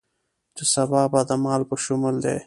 چې سبا به دما په شمول دې